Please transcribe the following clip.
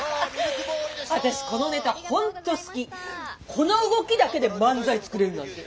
この動きだけで漫才作れるなんて。